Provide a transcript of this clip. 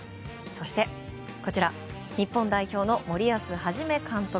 そして日本代表の森保一監督。